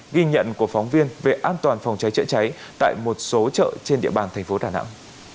ghi nhận của phóng viên về an toàn phòng cháy chữa cháy tại một số chợ trên địa bàn thành phố đà nẵng